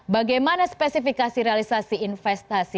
bagaimana spesifikasi realisasi investasi